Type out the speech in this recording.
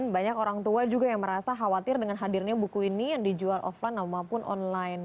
banyak orang tua juga yang merasa khawatir dengan hadirnya buku ini yang dijual offline maupun online